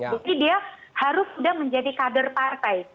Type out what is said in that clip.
jadi dia harus sudah menjadi kader partai